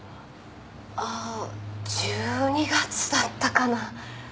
あ。１２月だったかな。